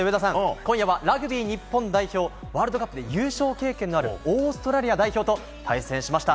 今夜はラグビー日本代表がワールドカップで優勝経験のあるオーストラリア代表と対戦しました。